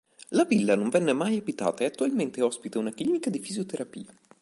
La villa non venne mai abitata e attualmente ospita una clinica di fisioterapia.